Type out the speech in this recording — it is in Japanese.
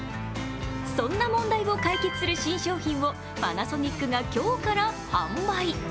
そんな問題を解決する新商品をパナソニックが今日から発売。